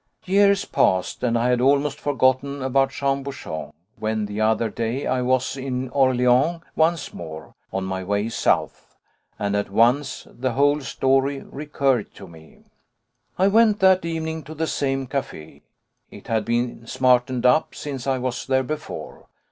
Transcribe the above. Years passed, and I had almost forgotten about Jean Bouchon, when, the other day, I was in Orléans once more, on my way south, and at once the whole story recurred to me. I went that evening to the same café. It had been smartened up since I was there before.